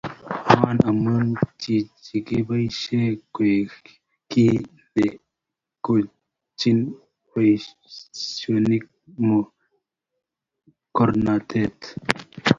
Ngwan amu chichi keboisie koek kiy neikochoni boisiek mogornatet